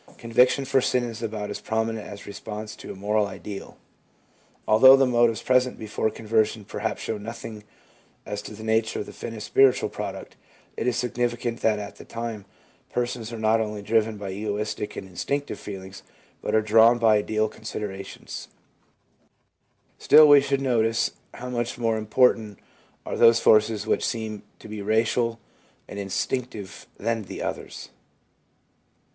Conviction for sin is about as prominent as response to a moral ideal. Although the motives present before conversion perhaps show nothing as to the nature of the finished spiritual product, it is significant that at this time persons are not only driven by egoistic and instinctive feelings, but are drawn by ideal con siderations. MOTIVES LEADING TO CONVERSION 55 Still we should notice how much more important are those forces which seem to be racial and instinctive than the others.